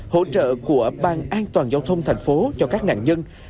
hỗ trợ của ban an toàn giao thông tp cho các nạn nhân